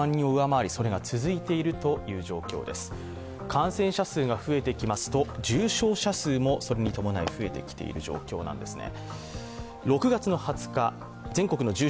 感染者数が増えてきますと重症者数もそれに伴い増えてきている状況なんですね。